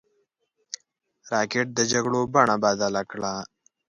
راکټ د جګړو بڼه بدله کړه